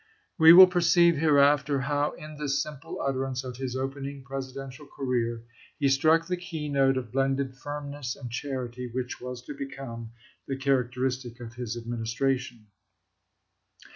We will perceive hereafter how in this simple utterance of his opening Presidential career he struck the key note of blended firmness and charity, which was to become the characteristic of his Ad ministration.